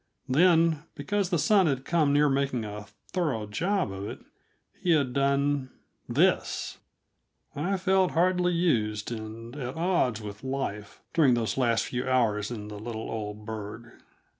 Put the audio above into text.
Then, because the son had come near making a thorough job of it, he had done this. I felt hardly used and at odds with life, during those last few hours in the little old burgh.